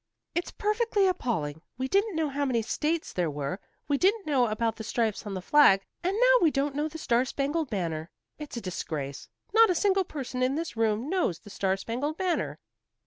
"It's perfectly appalling. We didn't know how many states there were, we didn't know about the stripes on the flag, and now we don't know 'The Star Spangled Banner.' It's a disgrace. Not a single person in this room knows 'The Star Spangled Banner.'"